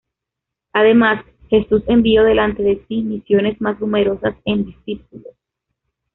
Además, Jesús envió delante de sí misiones más numerosas en discípulos.